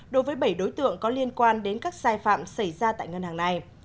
đối với bảy đối tượng có liên quan đến các sai phạm xảy ra tại ngân hàng này